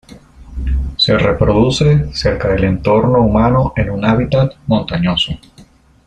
Se reproduce cerca del entorno humano en un hábitat montañoso.